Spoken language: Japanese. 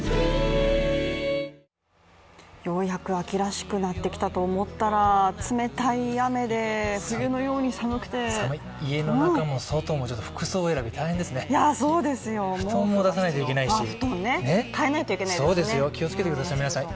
ようやく秋らしくなってきたと思ったら冷たい雨で、冬のように寒くて家の中も外も服装選び大変ですよね、布団も出さないといけないし気をつけてください、皆さん。